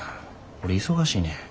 俺忙しいねん。